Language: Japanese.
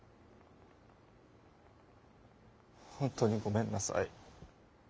本当にごめんなさい。